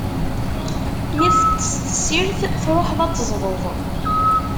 Mi teṭṭes tessirt, tṛuḥeḍ ad teẓdeḍ.